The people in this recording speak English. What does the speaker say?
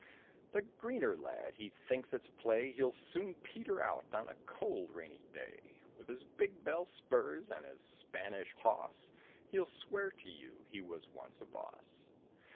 The greener lad he thinks it's play, He'll soon peter out on a cold rainy day, With his big bell spurs and his Spanish hoss, He'll swear to you he was once a boss.